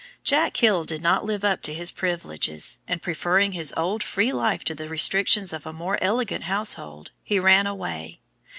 Jack Hill did not live up to his privileges, and, preferring his old free life to the restrictions of a more elegant household, he ran away.